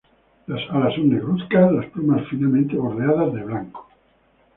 Las alas son negruzcas, las plumas finamente bordeadas de blanco.